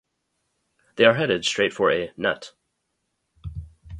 They are headed straight for a "net".